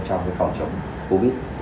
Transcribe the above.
trong cái phòng chống covid